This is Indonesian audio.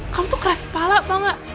kamu tuh keras kepala tau gak